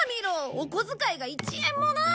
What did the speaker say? お小遣いが１円もない！